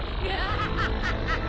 ハハハハ！